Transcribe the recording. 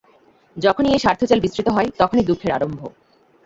যখনই এই স্বার্থজাল বিস্তৃত হয়, তখনই দুঃখের আরম্ভ।